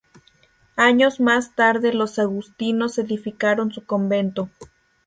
Años más tarde los agustinos edificaron su convento.